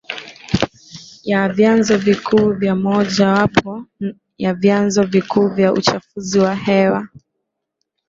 ya vyanzo vikuu vyaMojawapo ya vyanzo vikuu vya uchafuzi wa hewa